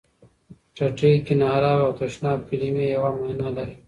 ټټۍ، کېناراب او تشناب کلمې یوه معنا لري.